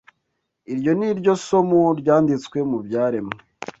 iryo ni ryo somo ryanditswe mu byaremwe